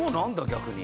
逆に。